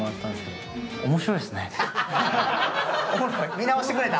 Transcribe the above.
見直してくれた？